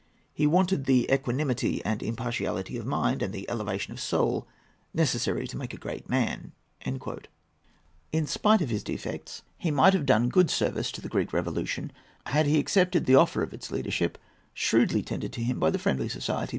He wanted the equanimity and impartiality of mind, and the elevation of soul necessary to make a great man."[A] In spite of his defects, he might have done good service to the Greek Revolution, had he accepted the offer of its leadership, shrewdly tendered to him by the Friendly Society.